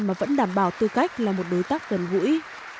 mà vẫn đảm bảo tư cách là một đối tác gần gũi